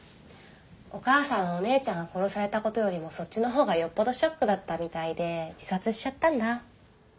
お母さんはお姉ちゃんが殺されたことよりもそっちの方がよっぽどショックだったみたいで自殺しちゃったんだ。